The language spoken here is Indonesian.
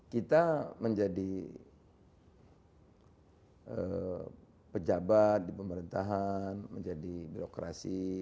kita menjadi pejabat di pemerintahan menjadi birokrasi